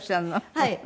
はい。